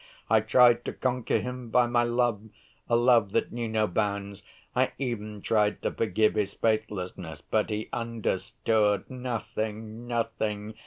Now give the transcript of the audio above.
I tried to conquer him by my love—a love that knew no bounds. I even tried to forgive his faithlessness; but he understood nothing, nothing!